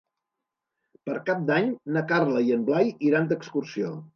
Per Cap d'Any na Carla i en Blai iran d'excursió.